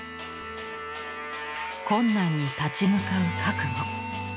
困難に立ち向かう覚悟。